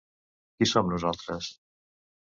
Qui som nosaltres?